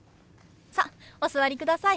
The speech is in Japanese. さあお座りください。